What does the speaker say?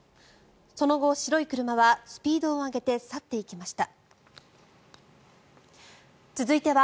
その後、白い車はスピードを上げて去っていきました。